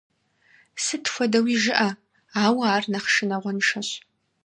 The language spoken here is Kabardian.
Сыт хуэдэуи жыӀэ, ауэ ар нэхъ шынагъуэншэщ.